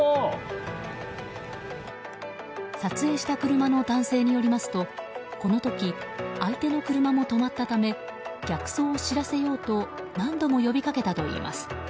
撮影した車の男性によりますとこの時、相手の車も止まったため逆走を知らせようと何度も呼びかけたといいます。